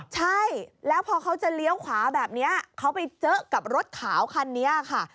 ใช่แล้วพอเขาจะเลี้ยวขวาแบบนี้เขาไปเจอกับรถขาวคันนี้ค่ะ